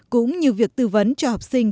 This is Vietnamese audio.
cũng như việc tư vấn cho học sinh